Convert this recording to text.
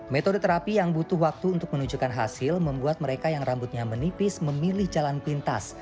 metode terapi yang butuh waktu untuk menunjukkan hasil membuat mereka yang rambutnya menipis memilih jalan pintas